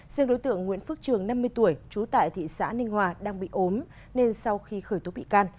riêng đối tượng nguyễn phước trường năm mươi tuổi trú tại thị xã ninh hòa đang bị ốm nên sau khi khởi tố bị can